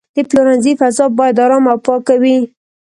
د پلورنځي فضا باید آرامه او پاکه وي.